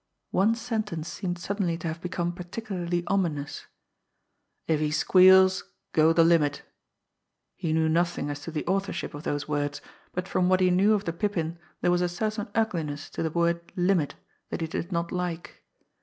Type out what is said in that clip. One sentence seemed suddenly to have become particularly ominous "if he squeals go the limit." He knew nothing as to the authorship of those words, but from what he knew of the Pippin there was a certain ugliness to the word "limit" that he did not like.